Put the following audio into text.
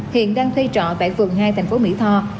hiện đang thuê trọ tại phường hai thành phố mỹ tho